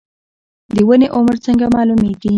د ونې عمر څنګه معلومیږي؟